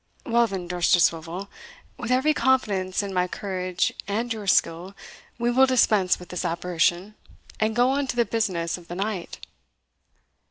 "Well then, Dousterswivel, with every confidence in my courage and your skill, we will dispense with this apparition, and go on to the business of the night."